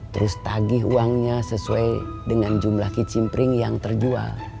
terus tagih uang nya sesuai dengan jumlah kicimpering yang terjual